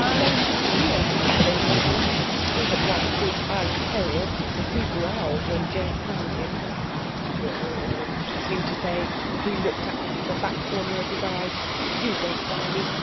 plain to the ear, as they whined; all but one big Irish terrier, and he growled when Jane patted him. "Grrrrr," he seemed to say, as he looked at them from the back corner of his eye—"You won't buy me.